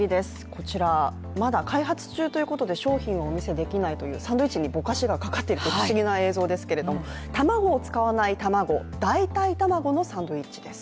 こちら、まだ開発中ということで商品はお見せできないという、サンドイッチにぼかしがかかっている不思議な映像ですけども、卵を使わない卵、代替卵のサンドイッチです。